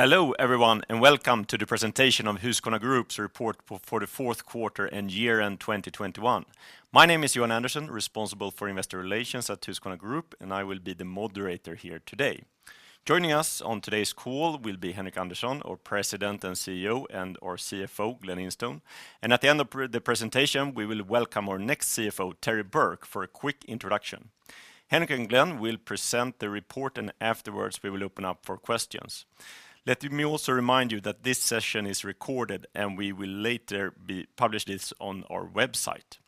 Hello everyone and welcome to the presentation of Husqvarna Group's report for the Q4 and year-end 2021. My name is Johan Andersson, responsible for investor relations at Husqvarna Group, and I will be the moderator here today. Joining us on today's call will be Henric Andersson, our President and CEO, and our CFO, Glen Instone. At the end of the presentation, we will welcome our next CFO, Terry Burke, for a quick introduction. Henric and Glen will present the report, and afterwards, we will open up for questions. Let me also remind you that this session is recorded, and we will later publish this on our website.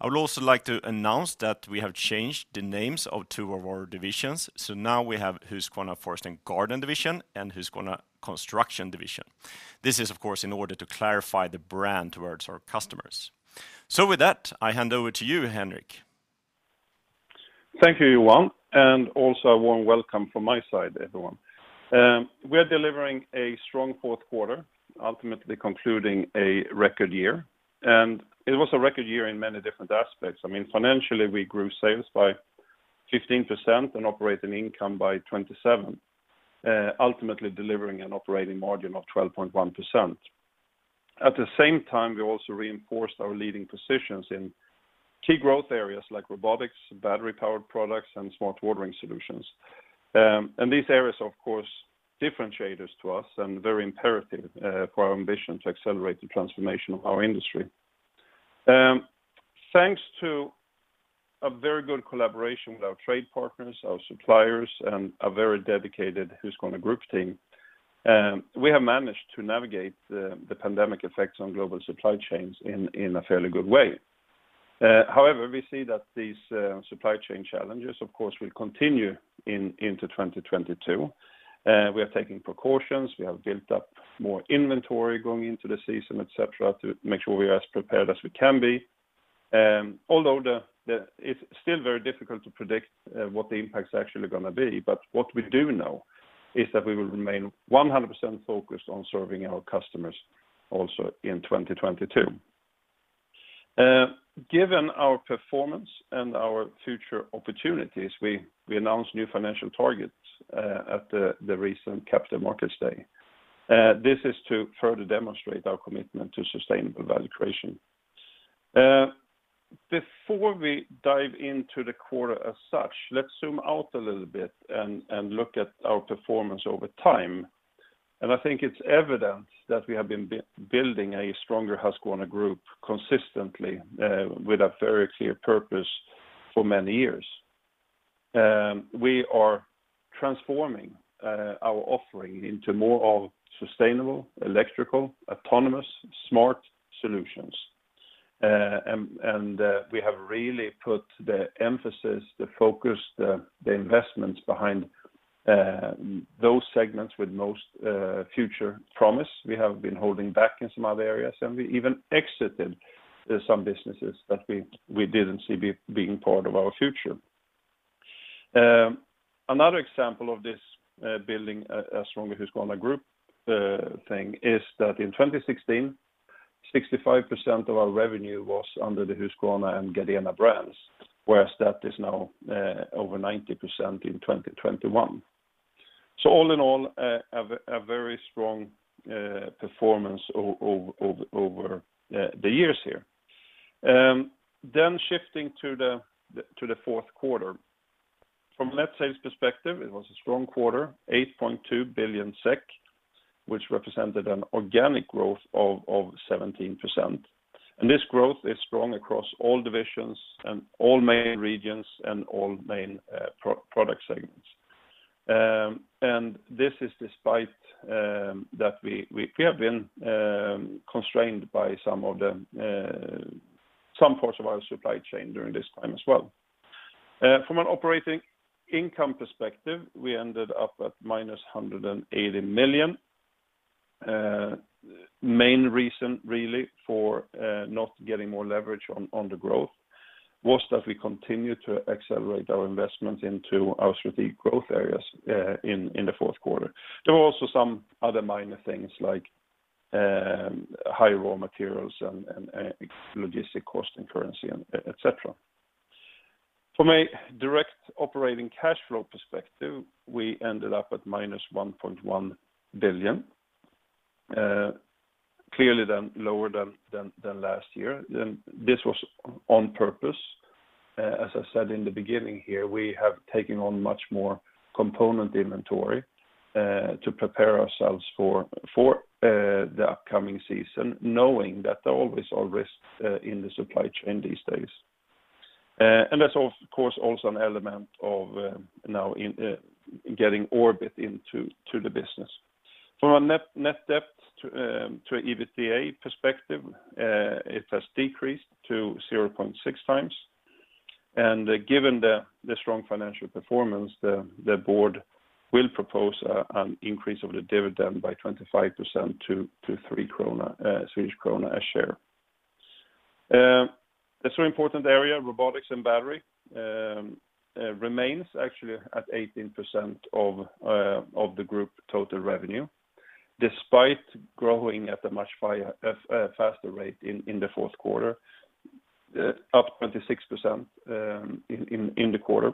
I would also like to announce that we have changed the names of two of our divisions. Now we have Husqvarna Forest & Garden Division and Husqvarna Construction Division. This is of course, in order to clarify the brand towards our customers. With that, I hand over to you, Henric. Thank you, Johan, and also a warm welcome from my side, everyone. We are delivering a strong Q4, ultimately concluding a record year. It was a record year in many different aspects. I mean, financially, we grew sales by 15% and operating income by 27%, ultimately delivering an operating margin of 12.1%. At the same time, we also reinforced our leading positions in key growth areas like robotics, battery-powered products, and smart watering solutions. These areas, of course, differentiators to us and very imperative for our ambition to accelerate the transformation of our industry. Thanks to a very good collaboration with our trade partners, our suppliers, and a very dedicated Husqvarna Group team, we have managed to navigate the pandemic effects on global supply chains in a fairly good way. However, we see that these supply chain challenges, of course, will continue into 2022. We are taking precautions. We have built up more inventory going into the season, et cetera, to make sure we are as prepared as we can be. Although it's still very difficult to predict what the impact is actually gonna be. What we do know is that we will remain 100% focused on serving our customers also in 2022. Given our performance and our future opportunities, we announced new financial targets at the recent Capital Markets Day. This is to further demonstrate our commitment to sustainable value creation. Before we dive into the quarter as such, let's zoom out a little bit and look at our performance over time. I think it's evident that we have been building a stronger Husqvarna Group consistently with a very clear purpose for many years. We are transforming our offering into more sustainable, electrical, autonomous, smart solutions. We have really put the emphasis, the focus, the investments behind those segments with most future promise. We have been holding back in some other areas, and we even exited some businesses that we didn't see being part of our future. Another example of this building a stronger Husqvarna Group thing is that in 2016, 65% of our revenue was under the Husqvarna and Gardena brands, whereas that is now over 90% in 2021. All in all, a very strong performance over the years here. Shifting to the Q4. From net sales perspective, it was a strong quarter, 8.2 billion SEK, which represented an organic growth of 17%. This growth is strong across all divisions and all main regions and all main product segments. This is despite that we have been constrained by some parts of our supply chain during this time as well. From an operating income perspective, we ended up at -180 million. Main reason really for not getting more leverage on the growth was that we continued to accelerate our investments into our strategic growth areas in the Q4. There were also some other minor things like high raw materials and logistics costs and currency, etc. From a direct operating cash flow perspective, we ended up at -1.1 billion. Clearly lower than last year. This was on purpose. As I said in the beginning here, we have taken on much more component inventory to prepare ourselves for the upcoming season, knowing that there are always risks in the supply chain these days. That's of course also an element of now in getting Orbit into the business. From a net debt to EBITDA perspective, it has decreased to 0.6 times. Given the strong financial performance, the board will propose an increase of the dividend by 25% to 3 krona a share. A very important area, robotics and battery, remains actually at 18% of the Group total revenue. Despite growing at a much faster rate in the Q4, up 26% in the quarter.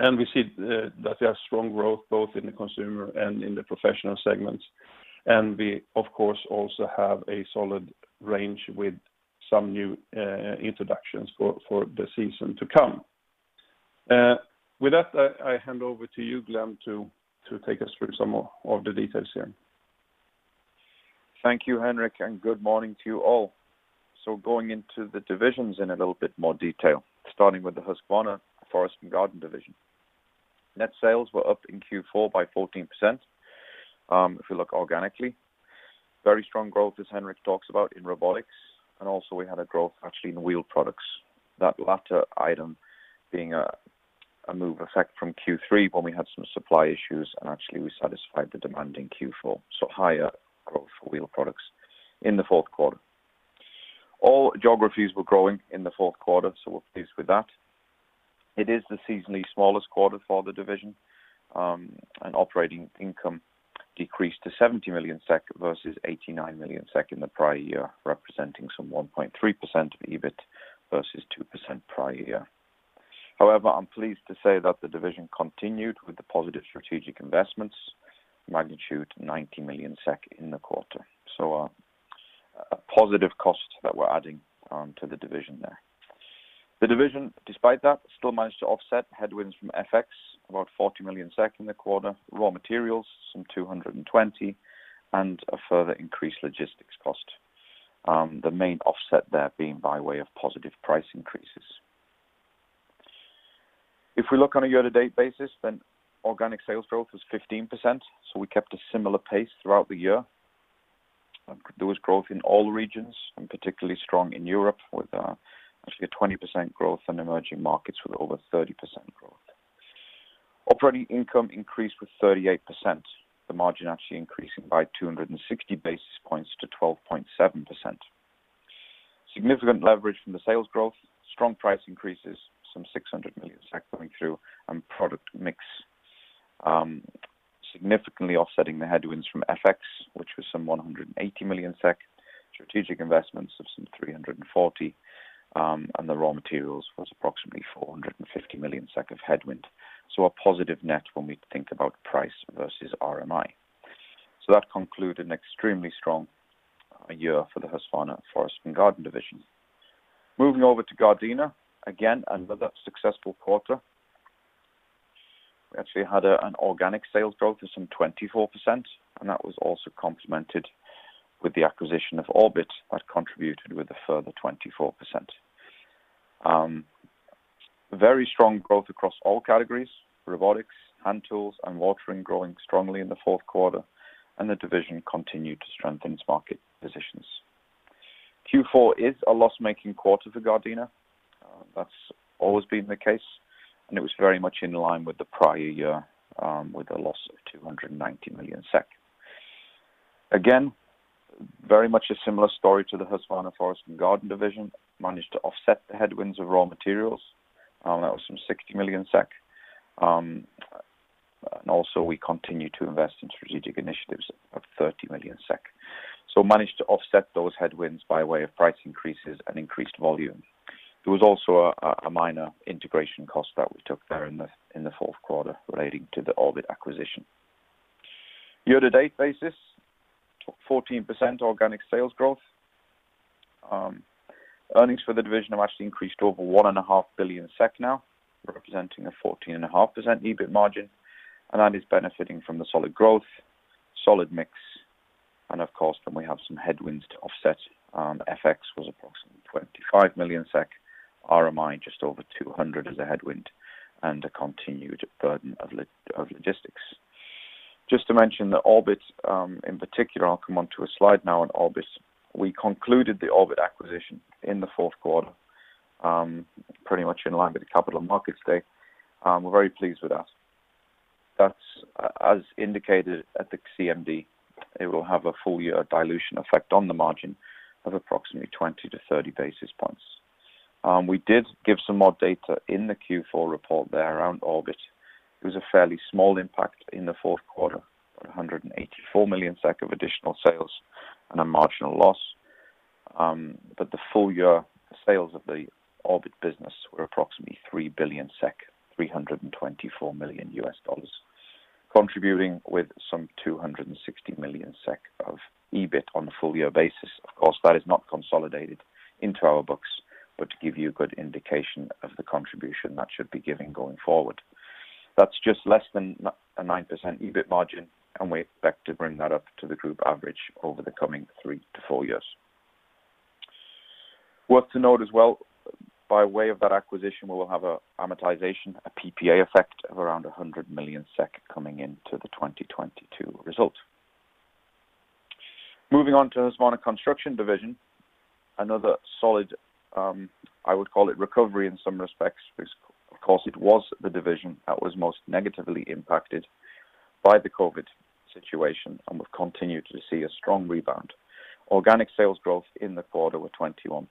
We see that we have strong growth both in the consumer and in the professional segments. We, of course, also have a solid range with some new introductions for the season to come. With that, I hand over to you, Glen, to take us through some more of the details here. Thank you, Henric, and good morning to you all. Going into the divisions in a little bit more detail, starting with the Husqvarna Forest & Garden Division. Net sales were up in Q4 by 14%. If you look organically, very strong growth, as Henric talks about in robotics. We had a growth actually in the wheel products. That latter item being a move effect from Q3 when we had some supply issues and actually we satisfied the demand in Q4. Higher growth for wheel products in the Q4. All geographies were growing in the Q4, so we're pleased with that. It is the seasonally smallest quarter for the division. Operating income decreased to 70 million SEK versus 89 million SEK in the prior year, representing some 1.3% EBIT versus 2% prior year. However, I'm pleased to say that the division continued with the positive strategic investments magnitude 90 million SEK in the quarter. A positive cost that we're adding to the division there. The division, despite that, still managed to offset headwinds from FX, about 40 million SEK in the quarter, raw materials some 220 million, and a further increased logistics cost. The main offset there being by way of positive price increases. If we look on a year-to-date basis, organic sales growth is 15%, so we kept a similar pace throughout the year. There was growth in all regions, and particularly strong in Europe with actually a 20% growth in emerging markets with over 30% growth. Operating income increased with 38%, the margin actually increasing by 260 basis points to 12.7%. Significant leverage from the sales growth, strong price increases some 600 million coming through, and product mix significantly offsetting the headwinds from FX, which was some 180 million SEK, strategic investments of some 340 million, and the raw materials was approximately 450 million SEK of headwind. A positive net when we think about price versus RMI. That conclude an extremely strong year for the Husqvarna Forest and Garden Division. Moving over to Gardena, again, another successful quarter. We actually had an organic sales growth of some 24%, and that was also complemented with the acquisition of Orbit that contributed with a further 24%. Very strong growth across all categories, robotics, hand tools, and watering growing strongly in the Q4, and the division continued to strengthen its market positions. Q4 is a loss-making quarter for Gardena. That's always been the case, and it was very much in line with the prior year, with a loss of 290 million SEK. Again, very much a similar story to the Husqvarna Forest & Garden Division, managed to offset the headwinds of raw materials. That was some 60 million SEK. And also we continued to invest in strategic initiatives of 30 million SEK. Managed to offset those headwinds by way of price increases and increased volume. There was also a minor integration cost that we took there in the Q4 relating to the Orbit acquisition. On a year-to-date basis, 14% organic sales growth. Earnings for the division have actually increased over one and a half billion SEK now, representing a 14.5% EBIT margin, and that is benefiting from the solid growth, solid mix, and of course, then we have some headwinds to offset. FX was approximately 25 million SEK. RMI just over 200 million as a headwind and a continued burden of logistics. Just to mention the Orbit, in particular, I'll come onto a slide now on Orbit. We concluded the Orbit acquisition in the Q4, pretty much in line with the Capital Markets Day. We're very pleased with that. That's as indicated at the CMD, it will have a full year dilution effect on the margin of approximately 20-30 basis points. We did give some more data in the Q4 report there around Orbit. It was a fairly small impact in the Q4, 184 million SEK of additional sales and a marginal loss. The full year sales of the Orbit business were approximately 3 billion SEK, $324 million, contributing with some 260 million SEK of EBIT on a full year basis. Of course, that is not consolidated into our books, but to give you a good indication of the contribution that should be giving going forward. That's just less than a 9% EBIT margin, and we expect to bring that up to the group average over the coming 3-4 years. Worth noting as well, by way of that acquisition, we will have an amortization, a PPA effect of around 100 million SEK coming into the 2022 results. Moving on to Husqvarna Construction Division, another solid, I would call it recovery in some respects because of course, it was the division that was most negatively impacted by the COVID situation, and we've continued to see a strong rebound. Organic sales growth in the quarter were 21%.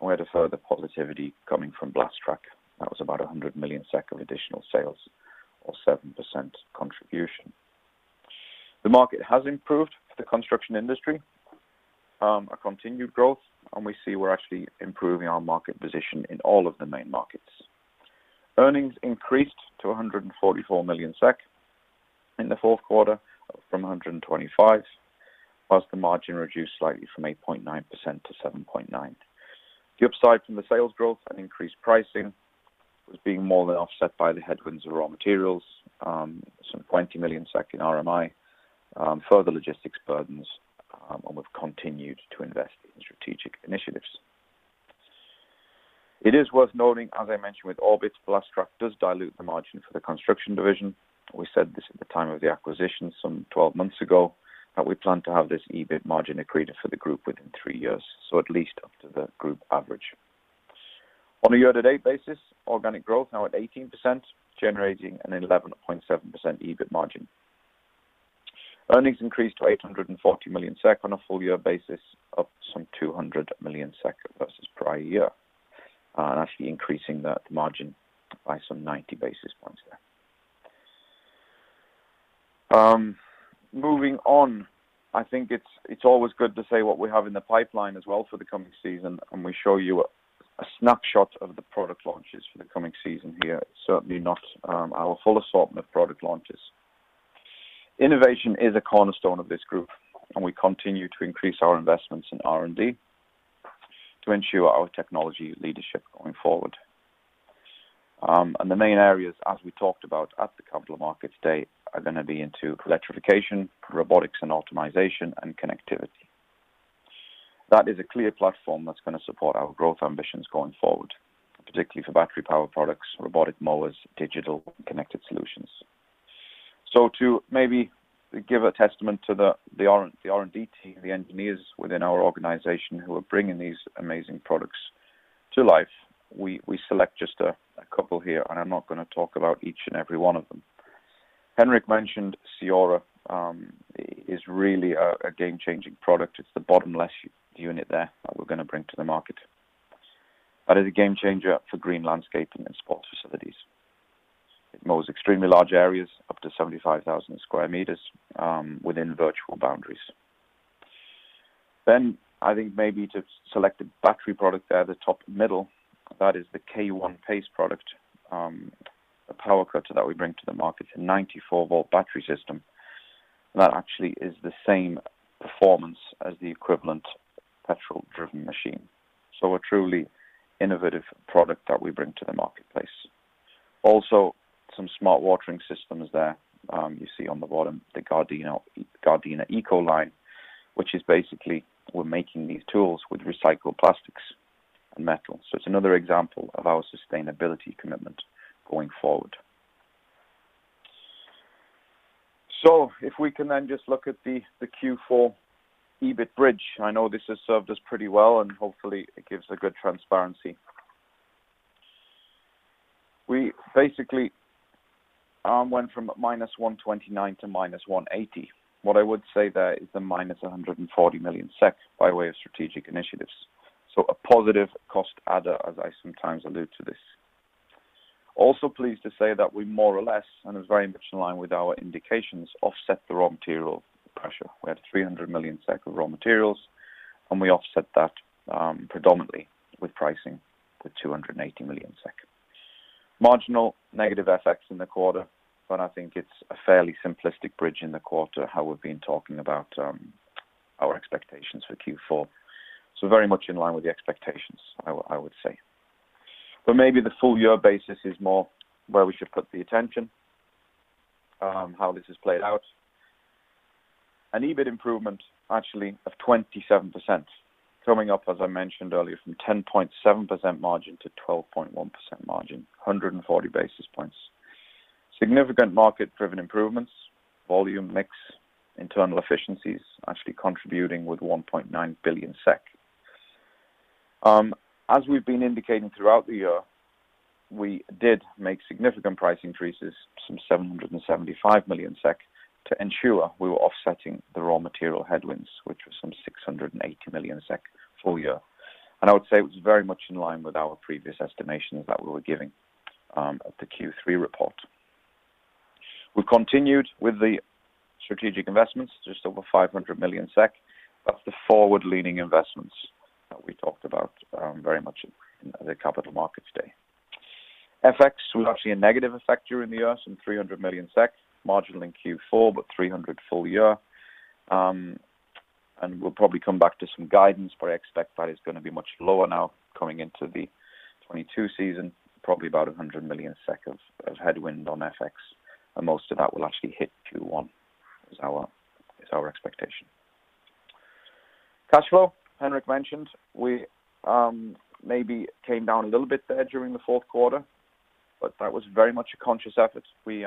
We had a further positivity coming from Blastrac. That was about 100 million SEK of additional sales or 7% contribution. The market has improved for the construction industry, a continued growth, and we see we're actually improving our market position in all of the main markets. Earnings increased to 144 million SEK in the Q4 from 125, while the margin reduced slightly from 8.9% to 7.9%. The upside from the sales growth and increased pricing was being more than offset by the headwinds of raw materials, some 20 million SEK in RMI, further logistics burdens, and we've continued to invest in strategic initiatives. It is worth noting, as I mentioned, with Orbit, Blastrac does dilute the margin for the Construction Division. We said this at the time of the acquisition some 12 months ago, that we plan to have this EBIT margin accretive for the group within 3 years, so at least up to the group average. On a year-to-date basis, organic growth now at 18%, generating an 11.7% EBIT margin. Earnings increased to 840 million SEK on a full year basis of some 200 million SEK versus prior year, actually increasing that margin by some 90 basis points there. Moving on, I think it's always good to say what we have in the pipeline as well for the coming season, and we show you a snapshot of the product launches for the coming season here. Certainly not our full assortment of product launches. Innovation is a cornerstone of this group, and we continue to increase our investments in R&D to ensure our technology leadership going forward. The main areas, as we talked about at the Capital Markets Day, are gonna be into electrification, robotics and automation, and connectivity. That is a clear platform that's gonna support our growth ambitions going forward, particularly for battery power products, robotic mowers, digital connected solutions. To give a testament to the R&D team, the engineers within our organization who are bringing these amazing products to life, we select just a couple here, and I'm not gonna talk about each and every one of them. Henrik mentioned CEORA is really a game-changing product. It's the bottom left unit there that we're gonna bring to the market. That is a game changer for green landscaping and sports facilities. It mows extremely large areas, up to 75,000 sq m, within virtual boundaries. I think maybe to select a battery product there at the top middle, that is the K 1 PACE product, a power cutter that we bring to the market, a 94-volt battery system. That actually is the same performance as the equivalent petrol-driven machine. A truly innovative product that we bring to the marketplace. Also, some smart watering systems there, you see on the bottom, the Gardena EcoLine, which is basically we're making these tools with recycled plastics and metals. It's another example of our sustainability commitment going forward. If we can then just look at the Q4 EBIT bridge. I know this has served us pretty well and hopefully it gives a good transparency. We basically went from -129 million SEK to -180 million SEK. What I would say there is the -140 million SEK by way of strategic initiatives. A positive cost adder, as I sometimes allude to this. Also pleased to say that we more or less, and it is very much in line with our indications, offset the raw material pressure. We had 300 million SEK of raw materials, and we offset that, predominantly with pricing to 280 million. Marginal negative FX in the quarter, but I think it's a fairly simplistic bridge in the quarter, how we've been talking about, our expectations for Q4. Very much in line with the expectations, I would say. Maybe the full year basis is more where we should put the attention, how this has played out. An EBIT improvement actually of 27%, coming up, as I mentioned earlier, from 10.7% margin to 12.1% margin, 140 basis points. Significant market-driven improvements, volume mix, internal efficiencies actually contributing with 1.9 billion SEK. As we've been indicating throughout the year, we did make significant price increases, 775 million SEK, to ensure we were offsetting the raw material headwinds, which was 680 million SEK full year. I would say it was very much in line with our previous estimations that we were giving at the Q3 report. We've continued with the strategic investments, just over 500 million SEK. That's the forward-leaning investments that we talked about, very much in the Capital Markets Day. FX was actually a negative effect during the year, 300 million. Marginal in Q4, but 300 million full year. We'll probably come back to some guidance, but I expect that is gonna be much lower now coming into the 2022 season, probably about 100 million SEK of headwind on FX, and most of that will actually hit Q1 is our expectation. Cash flow, Henrik mentioned, we maybe came down a little bit there during the Q4, but that was very much a conscious effort. We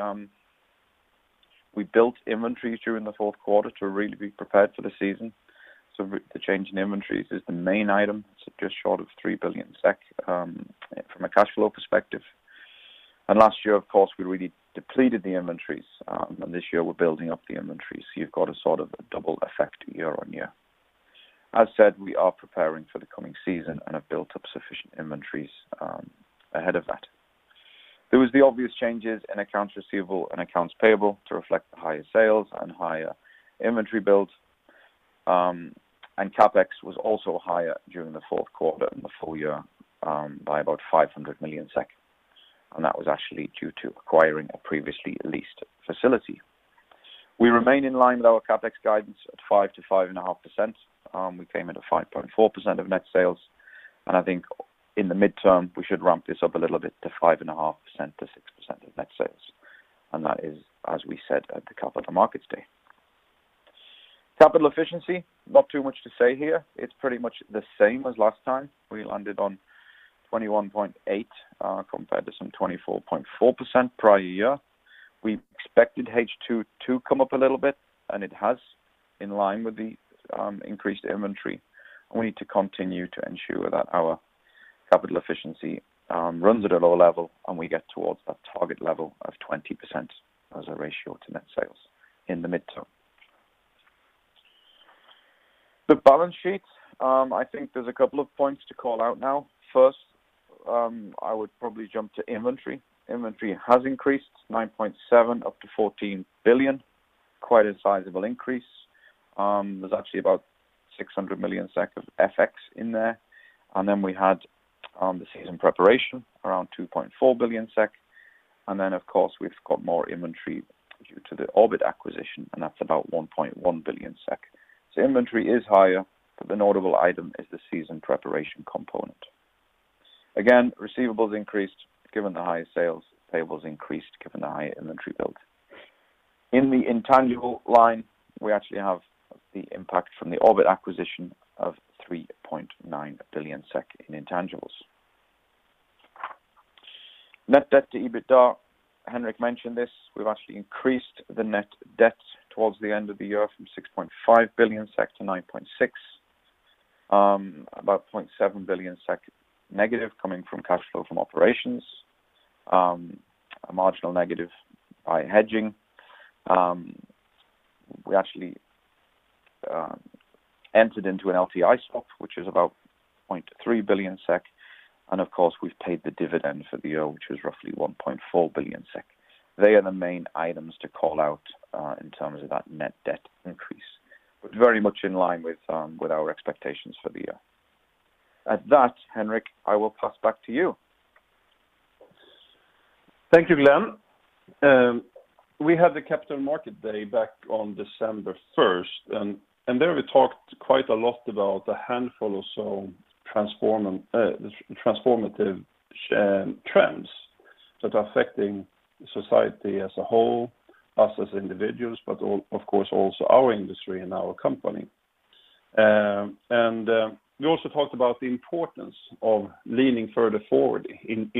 built inventories during the Q4 to really be prepared for the season. The change in inventories is the main item, so just short of 3 billion SEK from a cash flow perspective. Last year, of course, we really depleted the inventories, and this year we're building up the inventories. You've got a sort of a double effect year-on-year. As said, we are preparing for the coming season and have built up sufficient inventories ahead of that. There was the obvious changes in accounts receivable and accounts payable to reflect the higher sales and higher inventory builds. CapEx was also higher during the Q4 in the full year by about 500 million. That was actually due to acquiring a previously leased facility. We remain in line with our CapEx guidance at 5%-5.5%. We came at a 5.4% of net sales, and I think in the midterm, we should ramp this up a little bit to 5.5%-6% of net sales. That is, as we said at the Capital Markets Day. Capital efficiency, not too much to say here. It's pretty much the same as last time. We landed on 21.8%, compared to some 24.4% prior year. We expected H2 to come up a little bit, and it has in line with the increased inventory. We need to continue to ensure that our capital efficiency runs at a low level, and we get towards that target level of 20% as a ratio to net sales in the midterm. The balance sheet, I think there's a couple of points to call out now. First, I would probably jump to inventory. Inventory has increased 9.7% up to 14 billion. Quite a sizable increase. There's actually about 600 million SEK of FX in there. We had the season preparation around 2.4 billion SEK. Of course, we've got more inventory due to the Orbit acquisition, and that's about 1.1 billion SEK. Inventory is higher, but the notable item is the season preparation component. Again, receivables increased, given the higher sales. Payables increased, given the higher inventory build. In the intangible line, we actually have the impact from the Orbit acquisition of 3.9 billion SEK in intangibles. Net debt to EBITDA. Henrik mentioned this. We've actually increased the net debt towards the end of the year from 6.5 billion SEK to 9.6 billion SEK, about 0.7 billion SEK negative coming from cash flow from operations, a marginal negative by hedging. We actually entered into an LTI swap, which is about 0.3 billion SEK. Of course, we've paid the dividend for the year, which is roughly 1.4 billion SEK. They are the main items to call out, in terms of that net debt increase. Very much in line with our expectations for the year. At that, Henrik, I will pass back to you. Thank you, Glen. We had the Capital Markets Day back on December 1st, and there we talked quite a lot about a handful or so transformative trends that are affecting society as a whole, us as individuals, but of course, also our industry and our company. We also talked about the importance of leaning further forward in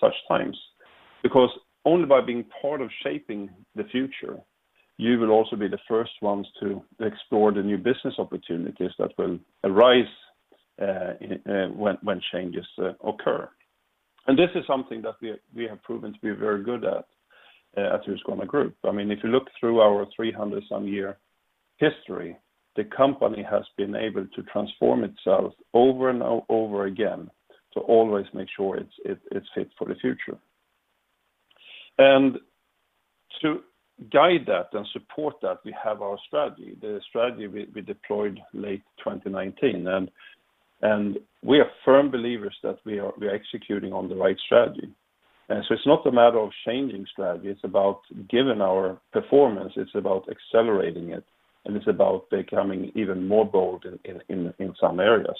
such times. Because only by being part of shaping the future, you will also be the first ones to explore the new business opportunities that will arise when changes occur. This is something that we have proven to be very good at Husqvarna Group. I mean, if you look through our 300-some-year history, the company has been able to transform itself over and over again to always make sure it's fit for the future. To guide that and support that, we have our strategy, the strategy we deployed late 2019. We are firm believers that we are executing on the right strategy. It's not a matter of changing strategy, it's about giving our performance, it's about accelerating it, and it's about becoming even more bold in some areas.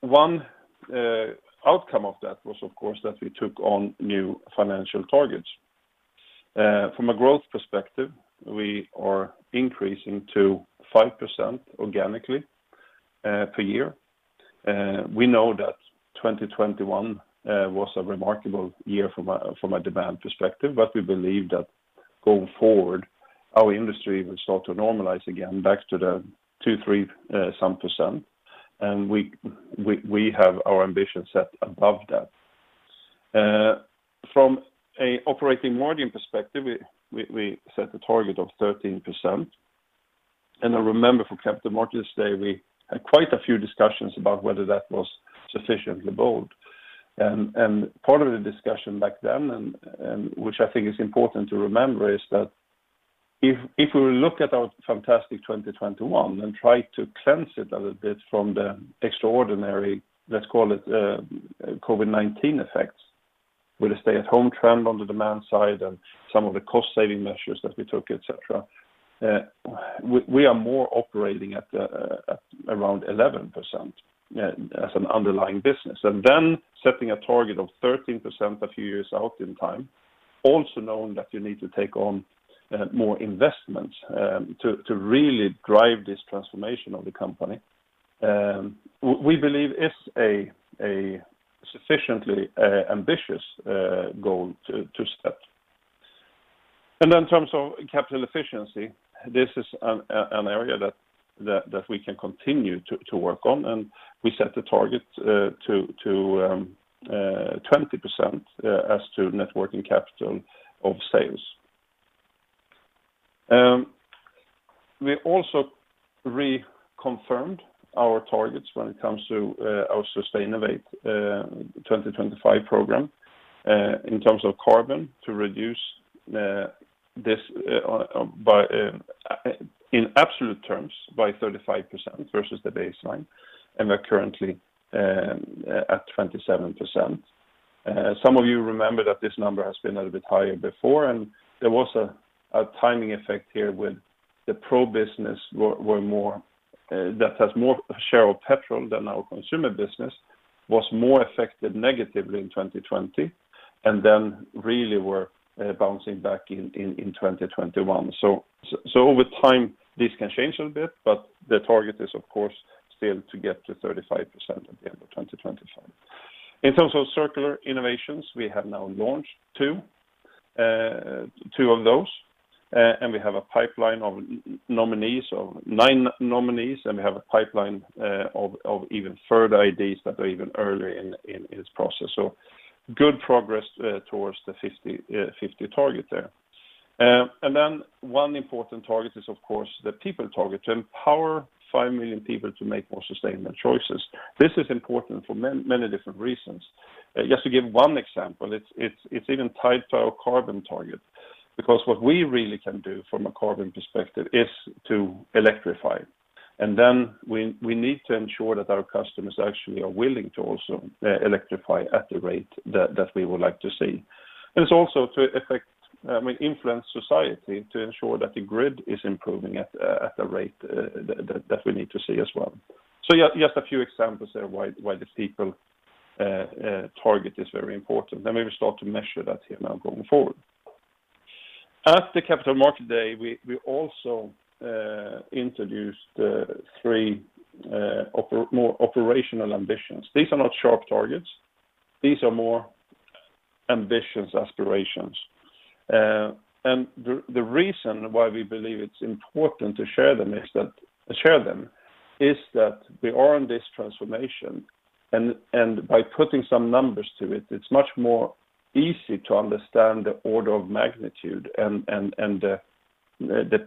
One outcome of that was, of course, that we took on new financial targets. From a growth perspective, we are increasing to 5% organically per year. We know that 2021 was a remarkable year from a demand perspective, but we believe that going forward, our industry will start to normalize again back to the 2-3%. We have our ambition set above that. From an operating margin perspective, we set a target of 13%. I remember from Capital Markets Day, we had quite a few discussions about whether that was sufficiently bold. Part of the discussion back then and which I think is important to remember is that if we look at our fantastic 2021 and try to cleanse it a little bit from the extraordinary, let's call it, COVID-19 effects with a stay at home trend on the demand side and some of the cost saving measures that we took, et cetera, we are more operating at around 11%, as an underlying business. Then setting a target of 13% a few years out in time, also knowing that you need to take on more investments to really drive this transformation of the company, we believe is a sufficiently ambitious goal to set. In terms of capital efficiency, this is an area that we can continue to work on. We set the target to 20% as to net working capital of sales. We also reconfirmed our targets when it comes to our Sustainovate 2025 program, in terms of carbon to reduce this by in absolute terms by 35% versus the baseline, and we're currently at 27%. Some of you remember that this number has been a little bit higher before, and there was a timing effect here with the pro business were more that has more share of petrol than our consumer business was more affected negatively in 2020, and then really were bouncing back in 2021. Over time, this can change a little bit, but the target is of course still to get to 35% at the end of 2025. In terms of circular innovations, we have now launched two of those, and we have a pipeline of nine nominees, and we have a pipeline of even further ideas that are even earlier in this process. Good progress towards the 50% target there. One important target is of course the people target to empower 5 million people to make more sustainable choices. This is important for many different reasons. Just to give one example, it's even tied to our carbon target because what we really can do from a carbon perspective is to electrify. We need to ensure that our customers actually are willing to also electrify at the rate that we would like to see. It's also to influence society to ensure that the grid is improving at the rate that we need to see as well. Yeah, just a few examples there why this 2030 target is very important, and we will start to measure that here now going forward. At the Capital Markets Day, we also introduced three operational ambitions. These are not sharp targets. These are more ambitions, aspirations. The reason why we believe it's important to share them is that we are on this transformation and by putting some numbers to it's much more easy to understand the order of magnitude and the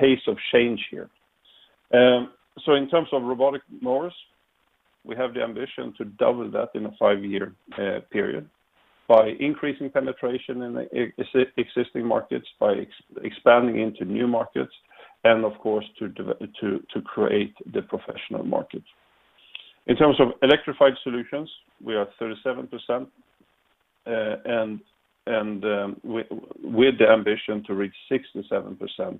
pace of change here. In terms of robotic mowers, we have the ambition to double that in a 5-year period by increasing penetration in existing markets, by expanding into new markets, and of course, to create the professional markets. In terms of electrified solutions, we are 37%, with the ambition to reach 67%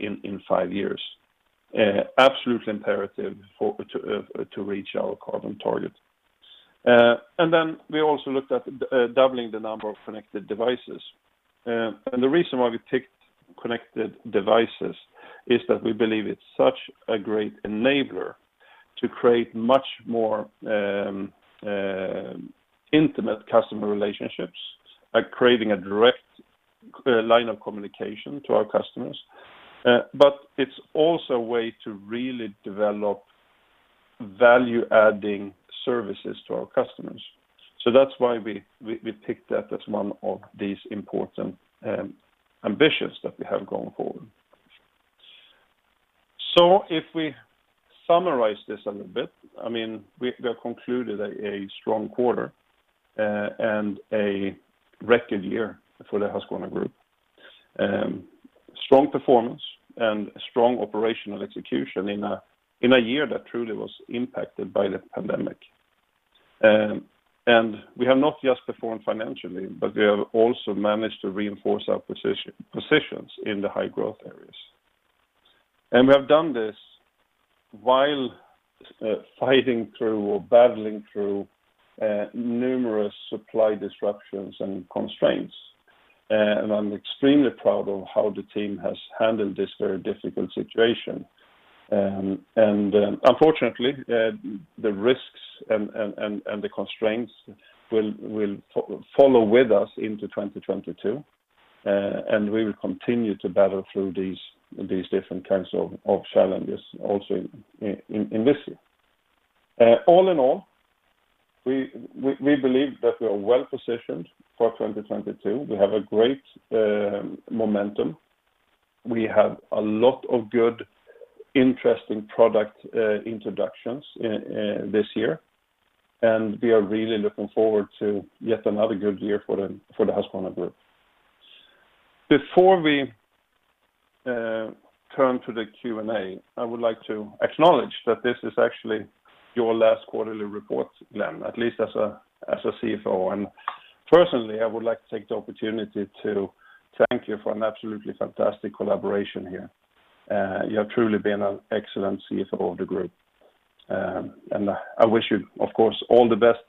in 5 years. Absolutely imperative to reach our carbon target. We also looked at doubling the number of connected devices. The reason why we picked connected devices is that we believe it's such a great enabler to create much more intimate customer relationships by creating a direct line of communication to our customers. But it's also a way to really develop value-adding services to our customers. That's why we picked that as one of these important ambitions that we have going forward. If we summarize this a little bit, I mean, we have concluded a strong quarter and a record year for the Husqvarna Group. Strong performance and strong operational execution in a year that truly was impacted by the pandemic. We have not just performed financially, but we have also managed to reinforce our positions in the high growth areas. We have done this while fighting through or battling through numerous supply disruptions and constraints. I'm extremely proud of how the team has handled this very difficult situation. Unfortunately, the risks and the constraints will follow with us into 2022, and we will continue to battle through these different kinds of challenges also in this year. All in all, we believe that we are well-positioned for 2022. We have a great momentum. We have a lot of good, interesting product introductions this year, and we are really looking forward to yet another good year for the Husqvarna Group. Before we turn to the Q&A, I would like to acknowledge that this is actually your last quarterly report, Glen, at least as a CFO. Personally, I would like to take the opportunity to thank you for an absolutely fantastic collaboration here. You have truly been an excellent CFO of the group. I wish you, of course, all the best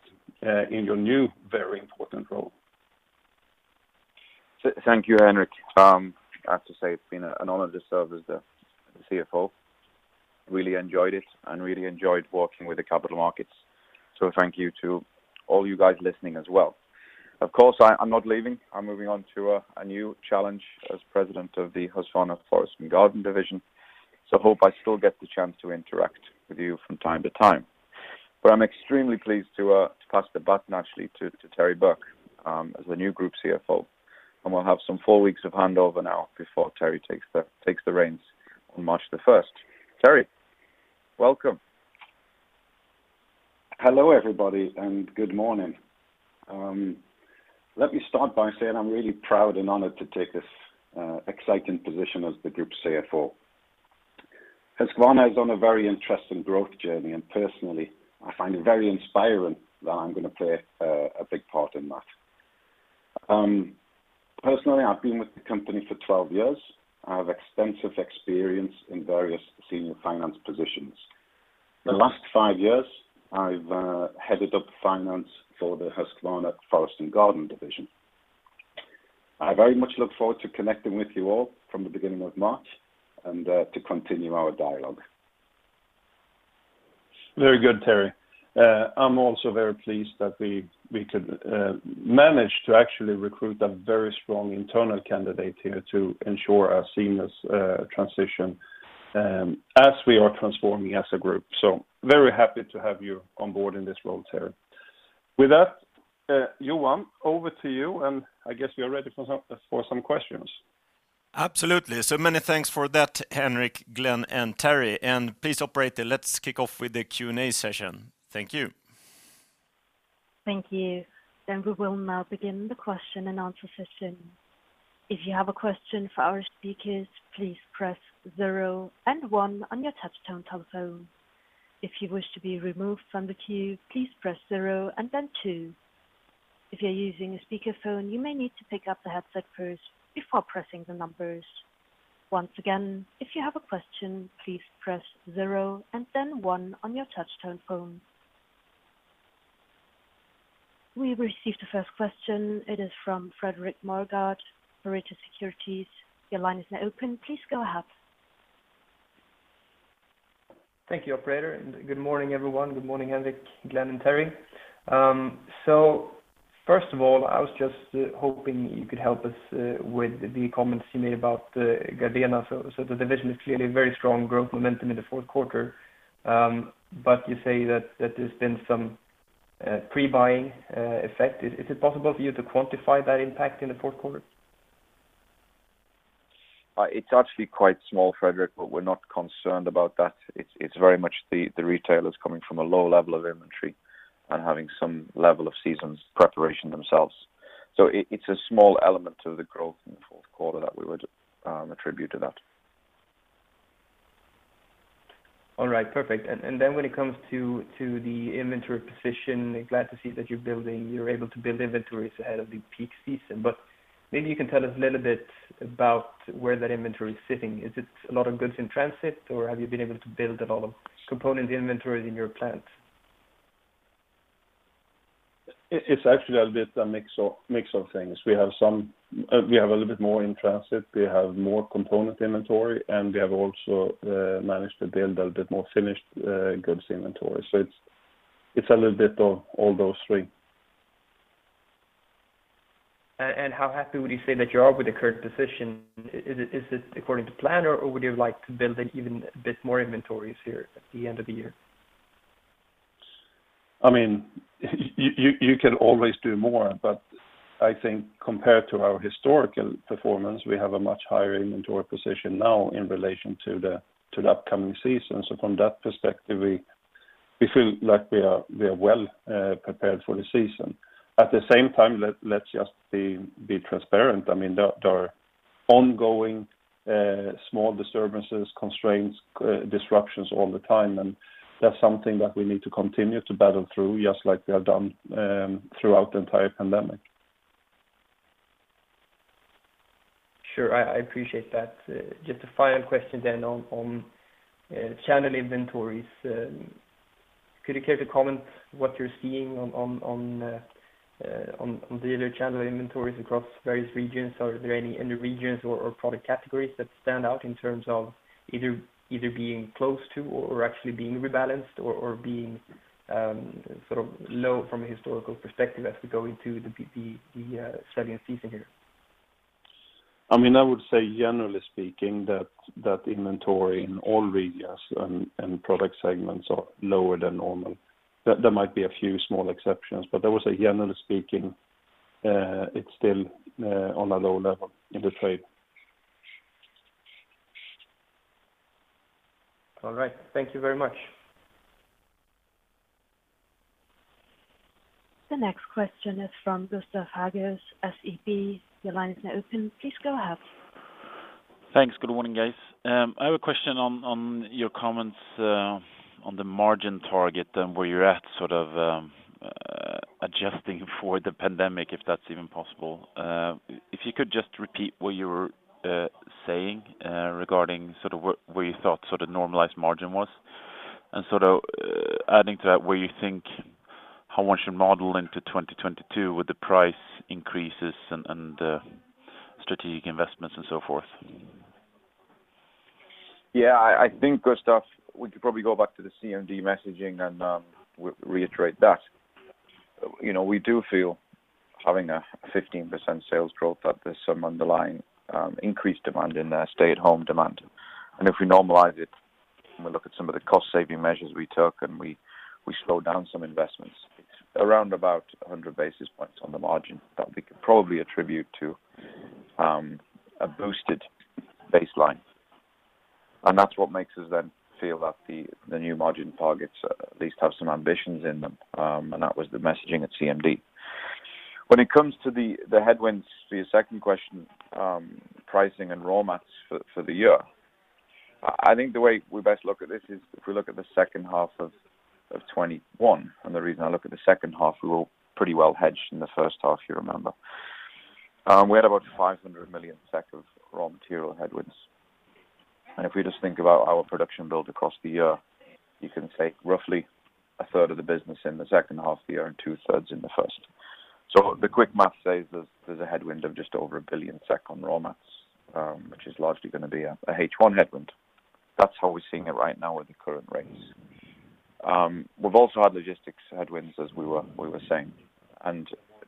in your new, very important role. Thank you, Henric. I have to say it's been an honor to serve as the CFO. Really enjoyed it and really enjoyed working with the capital markets. Thank you to all you guys listening as well. Of course, I'm not leaving. I'm moving on to a new challenge as President of the Husqvarna Forest & Garden Division. I hope I still get the chance to interact with you from time to time. I'm extremely pleased to pass the baton actually to Terry Burke as the new Group CFO, and we'll have some four weeks of handover now before Terry takes the reins on March 1. Terry, welcome. Hello, everybody, and good morning. Let me start by saying I'm really proud and honored to take this exciting position as the Group CFO. Husqvarna is on a very interesting growth journey, and personally, I find it very inspiring that I'm gonna play a big part in that. Personally, I've been with the company for 12 years. I have extensive experience in various senior finance positions. The last 5 years, I've headed up finance for the Husqvarna Forest and Garden Division. I very much look forward to connecting with you all from the beginning of March and to continue our dialogue. Very good, Terry. I'm also very pleased that we could manage to actually recruit a very strong internal candidate here to ensure a seamless transition as we are transforming as a group. Very happy to have you on board in this role, Terry. With that, Johan, over to you, and I guess we are ready for some questions. Absolutely. So many thanks for that, Henric, Glen, and Terry. Please, operator, let's kick off with the Q&A session. Thank you. Thank you. We will now begin the question and answer session. If you have a question for our speakers, please press zero and one on your touchtone telephone. If you wish to be removed from the queue, please press zero and then two. If you're using a speakerphone, you may need to pick up the headset first before pressing the numbers. Once again, if you have a question, please press zero and then one on your touchtone phone. We've received the first question. It is from Fredrik Ivarsson, ABG Sundal Collier. Your line is now open. Please go ahead. Thank you, operator, and good morning, everyone. Good morning, Henrik, Glen, and Terry. First of all, I was just hoping you could help us with the comments you made about Gardena. The division clearly has very strong growth momentum in the Q4, but you say that there's been some pre-buying effect. Is it possible for you to quantify that impact in the Q4? It's actually quite small, Fredrik, but we're not concerned about that. It's very much the retailers coming from a low level of inventory and having some level of seasonal preparation themselves. It's a small element to the growth in the Q4 that we would attribute to that. All right, perfect. Then when it comes to the inventory position, glad to see that you're able to build inventories ahead of the peak season, but maybe you can tell us a little bit about where that inventory is sitting. Is it a lot of goods in transit, or have you been able to build a lot of component inventories in your plant? It's actually a bit of a mix of things. We have a little bit more in transit. We have more component inventory, and we have also managed to build a bit more finished goods inventory. So it's a little bit of all those three. How happy would you say that you are with the current position? Is it according to plan, or would you like to build an even bit more inventories here at the end of the year? I mean, you can always do more, but I think compared to our historical performance, we have a much higher inventory position now in relation to the upcoming season. From that perspective, we feel like we are well prepared for the season. At the same time, let's just be transparent. I mean, there are ongoing small disturbances, constraints, disruptions all the time, and that's something that we need to continue to battle through, just like we have done throughout the entire pandemic. Sure. I appreciate that. Just a final question on channel inventories. Could you care to comment on what you're seeing on the other channel inventories across various regions? Are there any in the regions or product categories that stand out in terms of either being close to or actually being rebalanced or being sort of low from a historical perspective as we go into the selling season here? I mean, I would say generally speaking that inventory in all regions and product segments are lower than normal. There might be a few small exceptions, but I would say generally speaking, it's still on a low level in the trade. All right. Thank you very much. The next question is from Gustav Hagéus, SEB. Your line is now open. Please go ahead. Thanks. Good morning, guys. I have a question on your comments on the margin target and where you're at, sort of, adjusting for the pandemic, if that's even possible. If you could just repeat what you were saying regarding sort of where you thought sort of normalized margin was, and sort of, adding to that, where you think how one should model into 2022 with the price increases and strategic investments and so forth. Yeah. I think, Gustav, we could probably go back to the CMD messaging and reiterate that. You know, we do feel having a 15% sales growth that there's some underlying increased demand in the stay-at-home demand. If we normalize it and we look at some of the cost saving measures we took, and we slowed down some investments around about 100 basis points on the margin that we could probably attribute to a boosted baseline. That's what makes us then feel that the new margin targets at least have some ambitions in them. That was the messaging at CMD. When it comes to the headwinds to your second question, pricing and raw materials for the year. I think the way we best look at this is if we look at the second half of 2021, and the reason I look at the second half, we were pretty well hedged in the first half, you remember. We had about 500 million of raw material headwinds. If we just think about our production build across the year, you can take roughly a third of the business in the second half of the year and two-thirds in the first. The quick math says there's a headwind of just over 1 billion SEK on raw mats, which is largely gonna be a H1 headwind. That's how we're seeing it right now with the current rates. We've also had logistics headwinds as we were saying.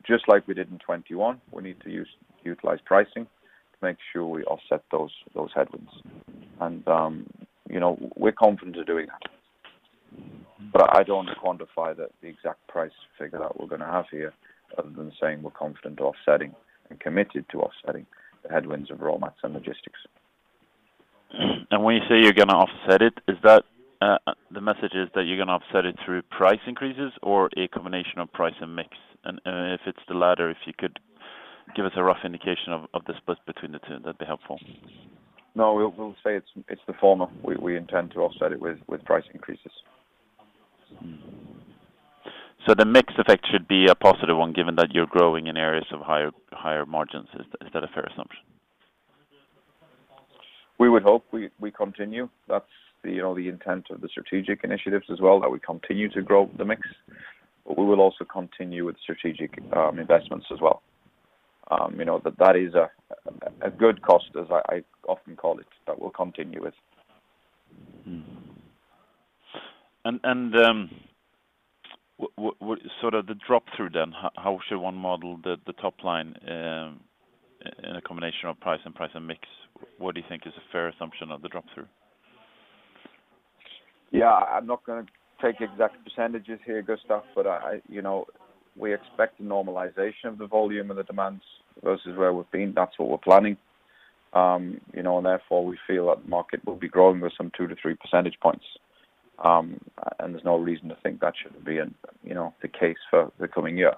Just like we did in 2021, we need to utilize pricing to make sure we offset those headwinds. You know, we're confident of doing that. I don't quantify the exact price figure that we're gonna have here other than saying we're confident offsetting and committed to offsetting the headwinds of raw materials and logistics. When you say you're gonna offset it, is that the message is that you're gonna offset it through price increases or a combination of price and mix? If it's the latter, if you could give us a rough indication of the split between the two, that'd be helpful. No, we'll say it's the former. We intend to offset it with price increases. The mix effect should be a positive one given that you're growing in areas of higher margins. Is that a fair assumption? We would hope we continue. That's the, you know, the intent of the strategic initiatives as well that we continue to grow the mix, but we will also continue with strategic investments as well. You know, that is a good cost as I often call it, that we'll continue with. Sort of the drop-through then, how should one model the top line in a combination of price and mix? What do you think is a fair assumption of the drop-through? Yeah. I'm not gonna take exact percentages here, Gustav, but I, you know, we expect the normalization of the volume and the demands versus where we've been. That's what we're planning. You know, therefore we feel that the market will be growing with some 2-3 percentage points. There's no reason to think that shouldn't be in, you know, the case for the coming year.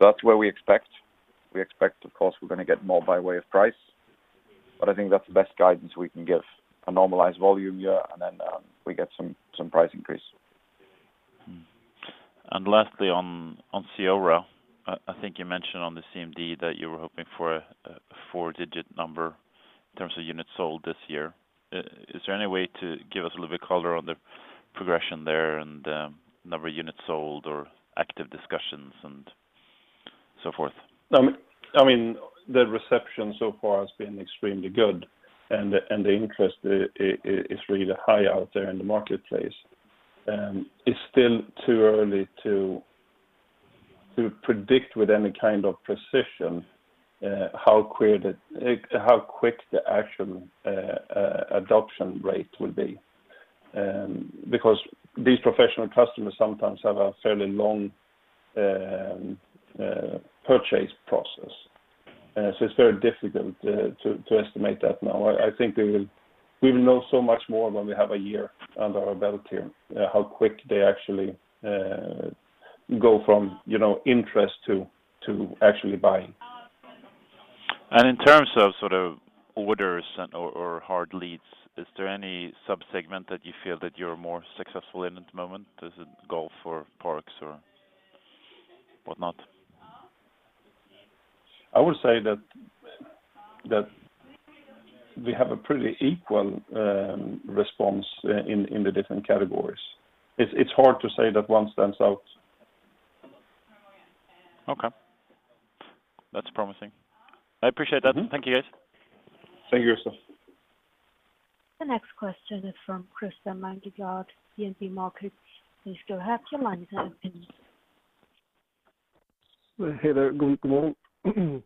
That's where we expect. We expect, of course, we're gonna get more by way of price, but I think that's the best guidance we can give, a normalized volume year, and then we get some price increase. Lastly on CEORA, I think you mentioned on the CMD that you were hoping for a four-digit number in terms of units sold this year. Is there any way to give us a little bit color on the progression there and number of units sold or active discussions and so forth? I mean, the reception so far has been extremely good and the interest is really high out there in the marketplace. It's still too early to predict with any kind of precision how quick the actual adoption rate will be. Because these professional customers sometimes have a fairly long purchase process. So it's very difficult to estimate that now. I think we will know so much more when we have a year under our belt here how quick they actually go from, you know, interest to actually buying.` In terms of sort of orders and/or hard leads, is there any sub-segment that you feel that you're more successful in at the moment? Does it go for parks or whatnot? I would say that we have a pretty equal response in the different categories. It's hard to say that one stands out. Okay. That's promising. I appreciate that. Mm-hmm. Thank you, guys. Thank you, sir. The next question is from Christer Magnergård, DNB Markets. Please go ahead, your line is open. Good morning.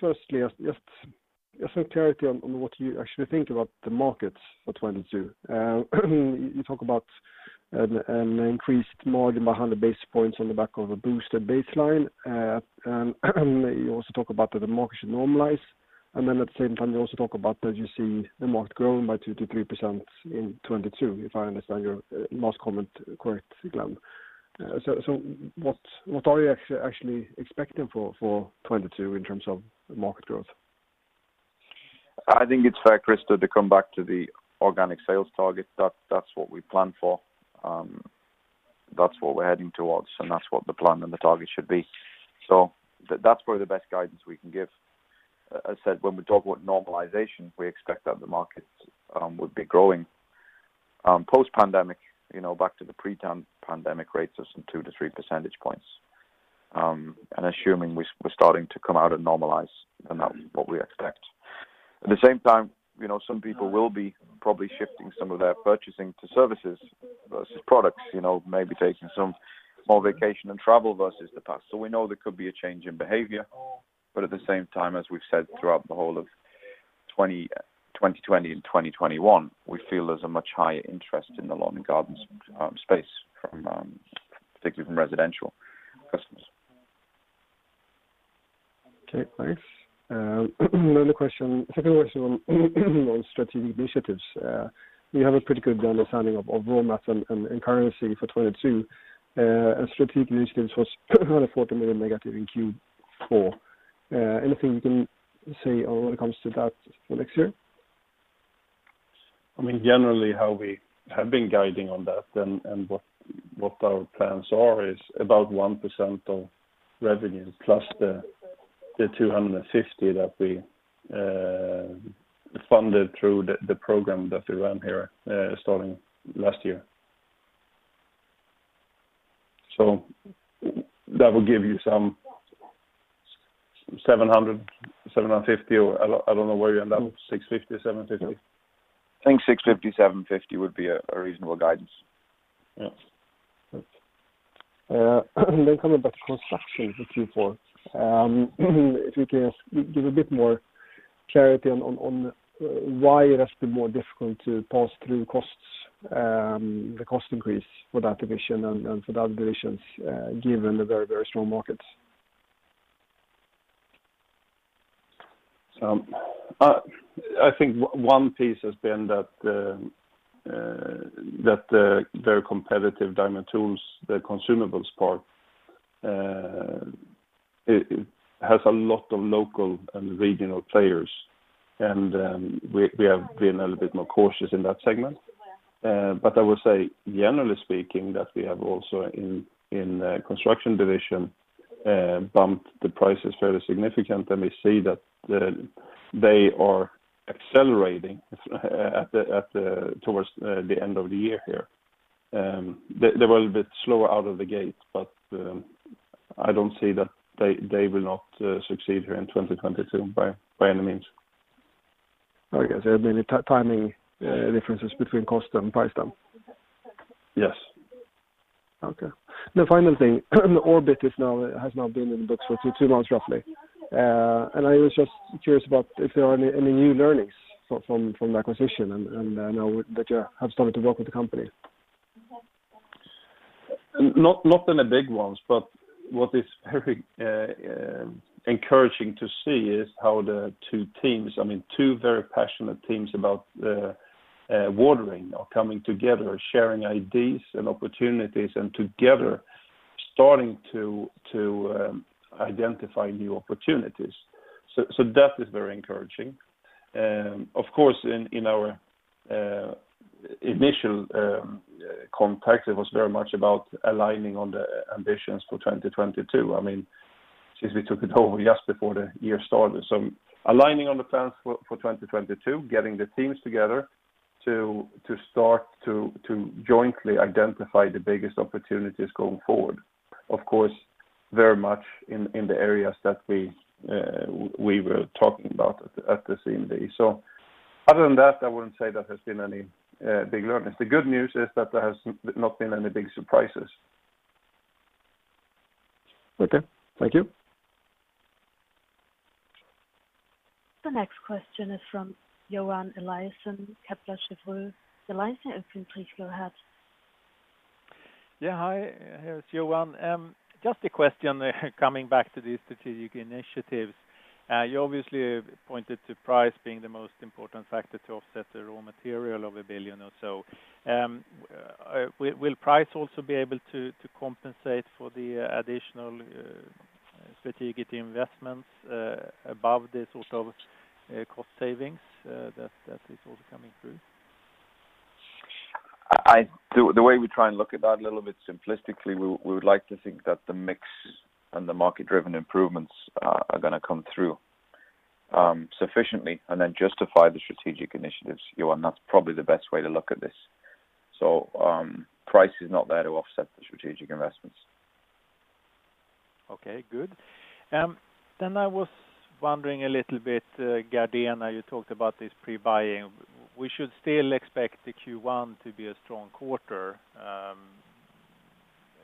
Firstly, just some clarity on what you actually think about the markets for 2022. You talk about an increased margin by 100 basis points on the back of a boosted baseline. You also talk about that the market should normalize. At the same time, you also talk about that you see the market growing by 2%-3% in 2022, if I understand your last comment correctly, Glen. So what are you actually expecting for 2022 in terms of market growth? I think it's fair, Christer, to come back to the organic sales target. That's what we planned for. That's what we're heading towards, and that's what the plan and the target should be. That's probably the best guidance we can give. As said, when we talk about normalization, we expect that the markets would be growing post-pandemic, you know, back to the pre-pandemic rates of some 2-3 percentage points. Assuming we're starting to come out and normalize, then that's what we expect. At the same time, you know, some people will be probably shifting some of their purchasing to services versus products, you know, maybe taking some more vacation and travel versus the past. We know there could be a change in behavior. At the same time, as we've said throughout the whole of 2020 and 2021, we feel there's a much higher interest in the lawn and garden space from, particularly from residential customers. Okay, thanks. Another question. Second question on strategic initiatives. You have a pretty good understanding of raw materials and currency for 2022, and strategic initiatives was around a negative 40 million in Q4. Anything you can say when it comes to that for next year? I mean, generally how we have been guiding on that and what our plans are is about 1% of revenue plus the 250 that we funded through the program that we ran here starting last year. That will give you some 750, or I don't know where you end up, 650-750. I think 650-750 would be a reasonable guidance. Yes. Thanks. Coming back to construction for Q4, if we can give a bit more clarity on why it has been more difficult to pass through costs, the cost increase for that division and for the other divisions, given the very strong markets. I think one piece has been that the very competitive diamond tools, the consumables part, it has a lot of local and regional players. We have been a little bit more cautious in that segment. But I will say generally speaking that we have also in the construction division bumped the prices fairly significant, and we see that they are accelerating towards the end of the year here. They were a little bit slower out of the gate, but I don't see that they will not succeed here in 2022 by any means. Okay. There have been timing differences between cost and price then? Yes. Okay. The final thing, Orbit has now been in the books for two months, roughly. I was just curious about if there are any new learnings from the acquisition and now that you have started to work with the company. Not in the big ones, but what is very encouraging to see is how the two teams, I mean, two very passionate teams about watering are coming together, sharing ideas and opportunities, and together starting to identify new opportunities. That is very encouraging. Of course, in our initial context, it was very much about aligning on the ambitions for 2022. I mean, since we took it over just before the year started. Aligning on the plans for 2022, getting the teams together to start to jointly identify the biggest opportunities going forward. Of course, very much in the areas that we were talking about at the CM Day. Other than that, I wouldn't say there has been any big learnings. The good news is that there has not been any big surprises. Okay. Thank you. The next question is from Johan Eliason, Kepler Cheuvreux. Eliason, if you please go ahead. Hi, this is Johan Eliason. Just a question coming back to the strategic initiatives. You obviously pointed to price being the most important factor to offset the raw material of 1 billion or so. Will price also be able to compensate for the additional strategic investments above this sort of cost savings that is also coming through? The way we try and look at that a little bit simplistically, we would like to think that the mix and the market-driven improvements are gonna come through sufficiently and then justify the strategic initiatives, Johan. That's probably the best way to look at this. Price is not there to offset the strategic investments. Okay, good. I was wondering a little bit, Gardena, you talked about this pre-buying. We should still expect the Q1 to be a strong quarter,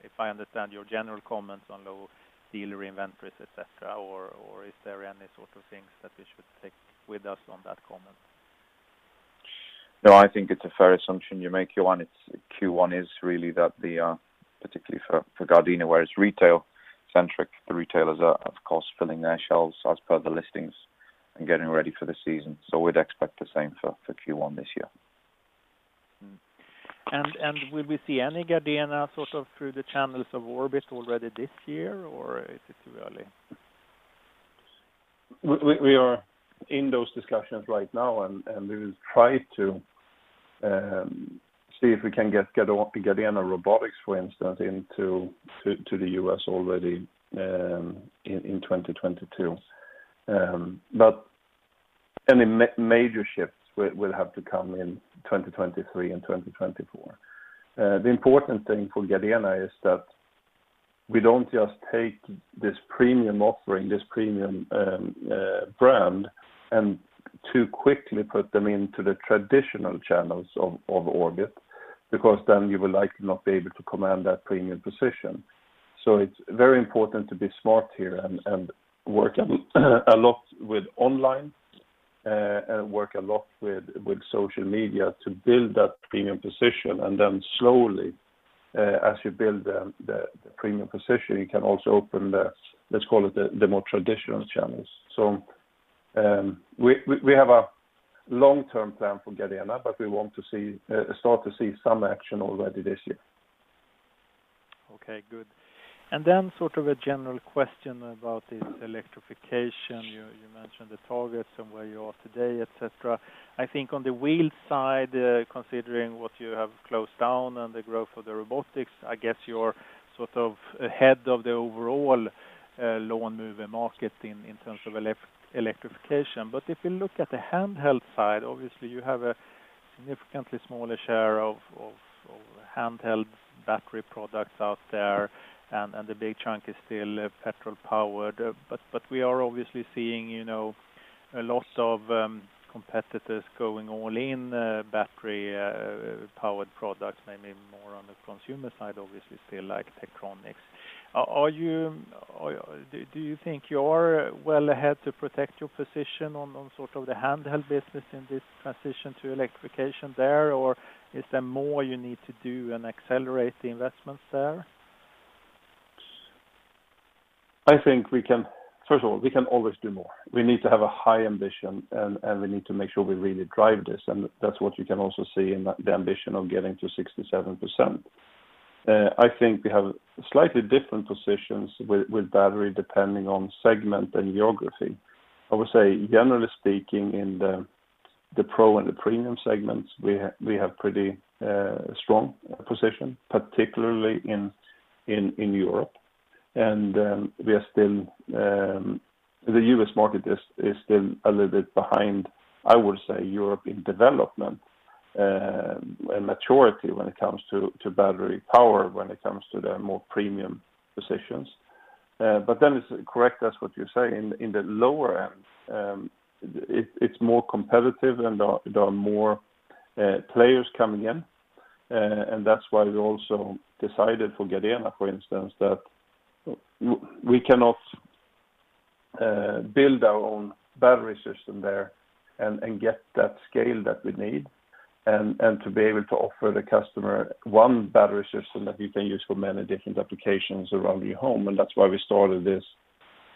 if I understand your general comments on low dealer inventories, et cetera, or is there any sort of things that we should take with us on that comment? No, I think it's a fair assumption you make, Johan Eliason. It's Q1 is really that the particularly for Gardena, where it's retail-centric, the retailers are, of course, filling their shelves as per the listings and getting ready for the season. We'd expect the same for Q1 this year. Will we see any Gardena sort of through the channels of Orbit already this year, or is it too early? We are in those discussions right now, and we will try to see if we can get Gardena robotics, for instance, into the U.S. already in 2022. But any major shifts will have to come in 2023 and 2024. The important thing for Gardena is that we don't just take this premium offering, this premium brand and too quickly put them into the traditional channels of Orbit, because then you will likely not be able to command that premium position. It's very important to be smart here and work a lot with online, work a lot with social media to build that premium position. Slowly, as you build the premium position, you can also open the, let's call it the more traditional channels. We have a long-term plan for Gardena, but we want to start to see some action already this year. Okay, good. Then sort of a general question about this electrification. You mentioned the targets and where you are today, et cetera. I think on the wheel side, considering what you have closed down and the growth of the robotics, I guess you're sort of ahead of the overall lawn mower market in terms of electrification. If you look at the handheld side, obviously you have a significantly smaller share of handheld battery products out there. The big chunk is still petrol powered. We are obviously seeing, you know, a lot of competitors going all in on battery-powered products, maybe more on the consumer side, obviously still like Techtronic Industries. Do you think you are well ahead to protect your position on sort of the handheld business in this transition to electrification there? Or is there more you need to do and accelerate the investments there? I think. First of all, we can always do more. We need to have a high ambition and we need to make sure we really drive this. That's what you can also see in the ambition of getting to 67%. I think we have slightly different positions with battery, depending on segment and geography. I would say generally speaking, in the pro and the premium segments, we have pretty strong position, particularly in Europe. The U.S. market is still a little bit behind, I would say, Europe in development and maturity when it comes to battery power, when it comes to the more premium positions. It's correct, that's what you say, in the lower end, it's more competitive and there are more players coming in. That's why we also decided for Gardena, for instance, that we cannot build our own battery system there and get that scale that we need and to be able to offer the customer one battery system that you can use for many different applications around your home. That's why we started this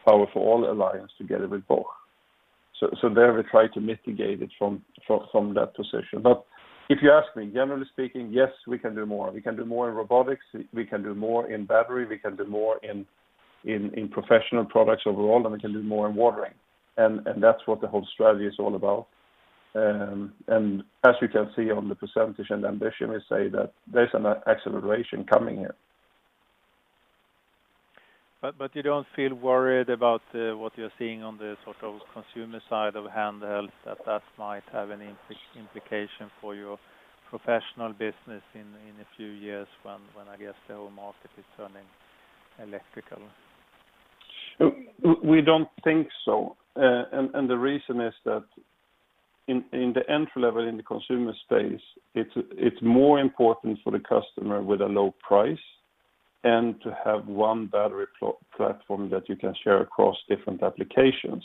Power for All Alliance together with Bosch. There we try to mitigate it from that position. If you ask me, generally speaking, yes, we can do more. We can do more in robotics, we can do more in battery, we can do more in professional products overall, and we can do more in watering. that's what the whole strategy is all about. As you can see on the percentage and ambition, we say that there's an acceleration coming here. You don't feel worried about what you're seeing on the sort of consumer side of handheld, that might have an implication for your professional business in a few years when I guess the whole market is turning electrical? We don't think so. The reason is that in the entry level in the consumer space, it's more important for the customer with a low price and to have one battery platform that you can share across different applications.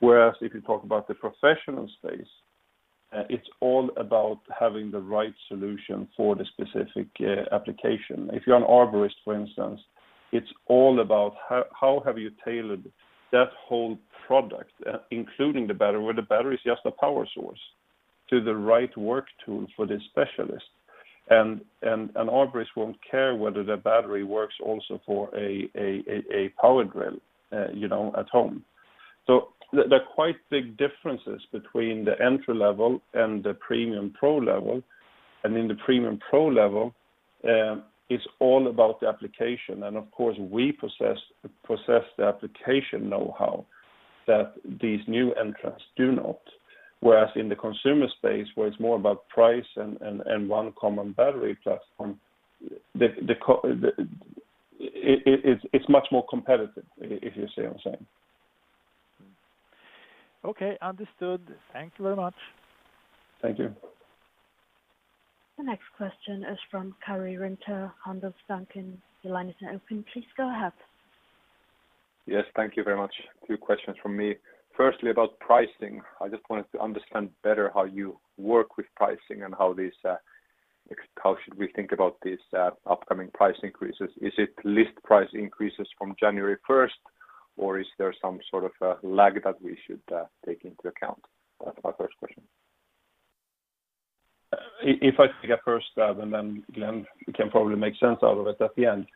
Whereas if you talk about the professional space, it's all about having the right solution for the specific application. If you're an arborist, for instance, it's all about how have you tailored that whole product, including the battery, where the battery is just a power source to the right work tool for this specialist. Arborists won't care whether the battery works also for a power drill, you know, at home. There are quite big differences between the entry level and the premium pro level. In the premium pro level, it's all about the application. Of course, we possess the application know-how that these new entrants do not. Whereas in the consumer space, where it's more about price and one common battery platform, it's much more competitive, if you see what I'm saying. Okay, understood. Thank you very much. Thank you. The next question is from Karri Rinta, Handelsbanken. Your line is now open. Please go ahead. Yes, thank you very much. Two questions from me. Firstly, about pricing. I just wanted to understand better how you work with pricing and how should we think about these upcoming price increases? Is it list price increases from January first? Or is there some sort of a lag that we should take into account? That's my first question. If I take a first stab and then Glenn can probably make sense out of it at the end.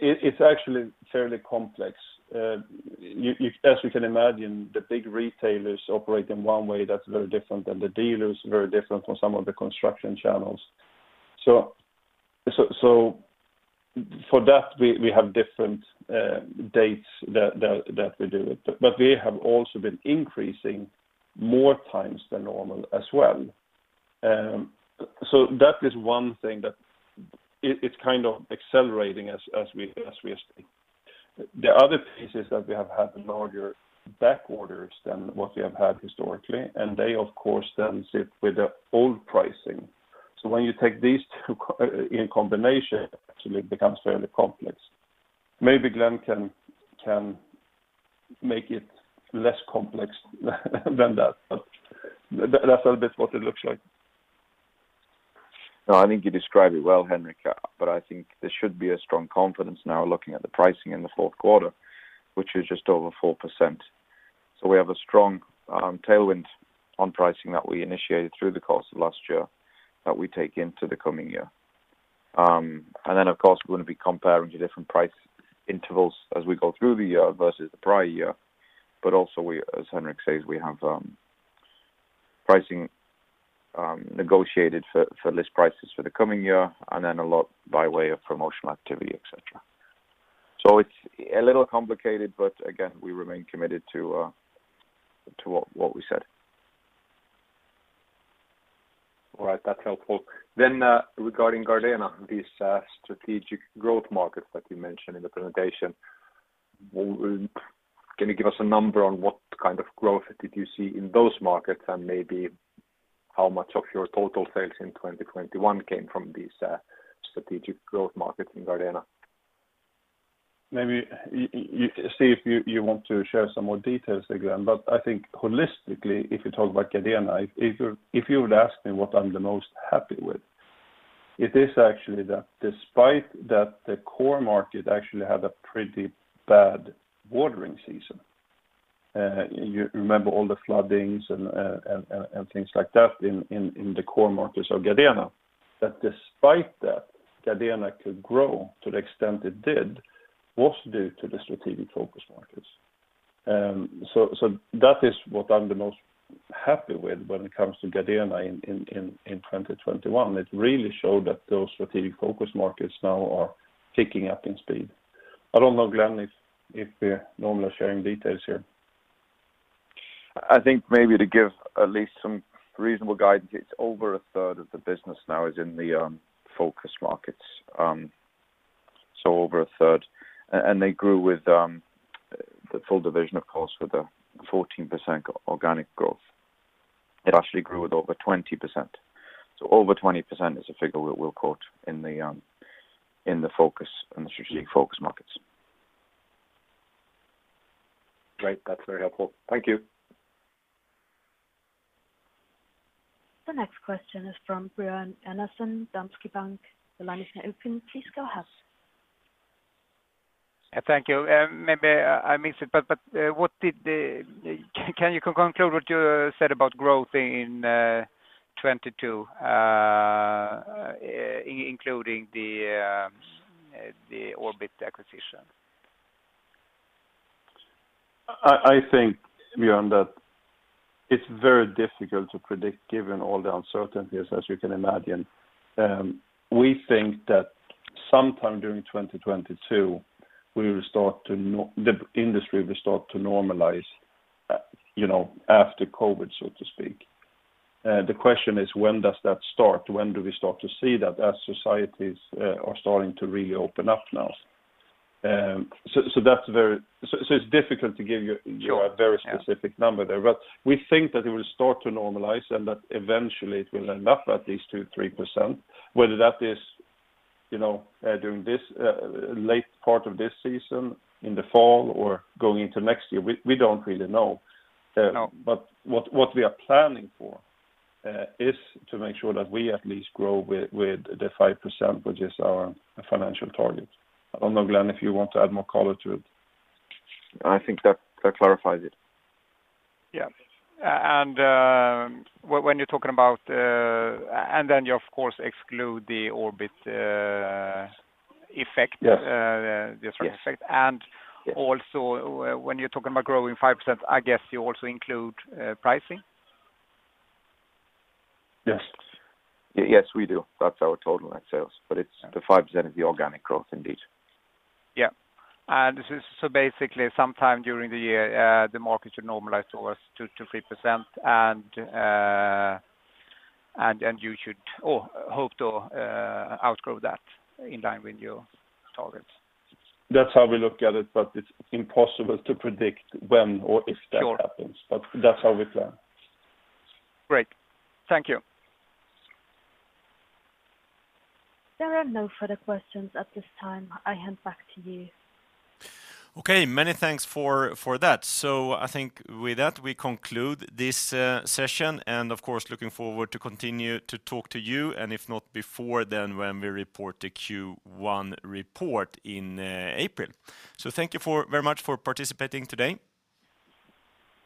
It's actually fairly complex. As you can imagine, the big retailers operate in one way that's very different than the dealers, very different from some of the construction channels. For that, we have different dates that we do it. We have also been increasing more times than normal as well. That is one thing that's kind of accelerating as we have seen. The other piece is that we have had more back orders than what we have had historically, and they of course then sit with the old pricing. When you take these two in combination, actually it becomes fairly complex. Maybe Glen can make it less complex than that, but that's a little bit what it looks like. No, I think you described it well, Henrik. But I think there should be a strong confidence now looking at the pricing in the Q4, which is just over 4%. We have a strong tailwind on pricing that we initiated through the course of last year that we take into the coming year. And then of course we're gonna be comparing the different price intervals as we go through the year versus the prior year. Also we, as Henrik says, we have pricing negotiated for list prices for the coming year, and then a lot by way of promotional activity, et cetera. It's a little complicated, but again, we remain committed to what we said. All right. That's helpful. Regarding Gardena, this strategic growth market that you mentioned in the presentation, can you give us a number on what kind of growth did you see in those markets? And maybe how much of your total sales in 2021 came from these strategic growth markets in Gardena? Glen, you want to share some more details again. I think holistically, if you talk about Gardena, if you would ask me what I'm the most happy with, it is actually that despite that the core market actually had a pretty bad watering season. You remember all the floodings and things like that in the core markets of Gardena. That despite that, Gardena could grow to the extent it did was due to the strategic focus markets. That is what I'm the most happy with when it comes to Gardena in 2021. It really showed that those strategic focus markets now are picking up in speed. I don't know, Glen, if we're normally sharing details here. I think maybe to give at least some reasonable guidance, it's over a third of the business now is in the focus markets. Over a third. They grew with the full division, of course, with a 14% organic growth. It actually grew with over 20%. Over 20% is a figure we'll quote in the focus, in the strategic focus markets. Great. That's very helpful. Thank you. The next question is from Björn Enarson, Danske Bank. The line is now open. Please go ahead. Thank you. Maybe I missed it, but can you conclude what you said about growth in 2022, including the Orbit acquisition? I think, Björn, that it's very difficult to predict given all the uncertainties, as you can imagine. We think that sometime during 2022, the industry will start to normalize, you know, after COVID, so to speak. The question is when does that start? When do we start to see that as societies are starting to really open up now? It's difficult to give you- Sure. Yeah a very specific number there. We think that it will start to normalize and that eventually it will end up at least 2%-3%. Whether that is, you know, during this late part of this season, in the fall or going into next year, we don't really know. No... what we are planning for is to make sure that we at least grow with the 5%, which is our financial target. I don't know, Glen, if you want to add more color to it. I think that clarifies it. Yeah. When you're talking about, then you of course exclude the Orbit effect. Yes. The effect. Yes. And also- Yes... when you're talking about growing 5%, I guess you also include pricing? Yes. Yes, we do. That's our total net sales. It's the 5% is the organic growth indeed. Yeah. This is so basically sometime during the year, the market should normalize to 2%-3%. You should or hope to outgrow that in line with your targets. That's how we look at it, but it's impossible to predict when or if that happens. Sure. That's how we plan. Great. Thank you. There are no further questions at this time. I hand back to you. Many thanks for that. I think with that, we conclude this session. Of course, looking forward to continue to talk to you. If not before then, when we report the Q1 report in April. Thank you very much for participating today.